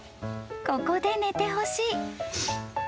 ここで寝てほしい］